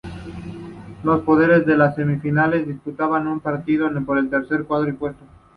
Los perdedores de las semifinales disputaban un partido por el tercer y cuarto puesto.